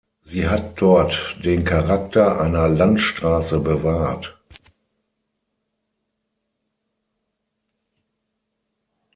Sie hat dort den Charakter einer Landstraße bewahrt.